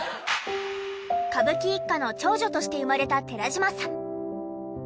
歌舞伎一家の長女として生まれた寺島さん。